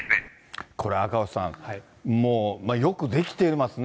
これ、赤星さん、よくできてますね。